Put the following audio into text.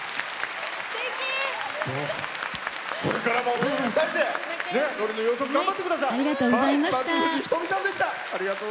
これからも夫婦２人でのりの養殖、頑張ってください。